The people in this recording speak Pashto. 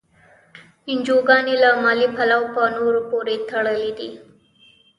انجوګانې له مالي پلوه په نورو پورې تړلي دي.